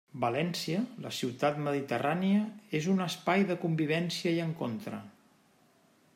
València, la ciutat mediterrània, és un espai de convivència i encontre.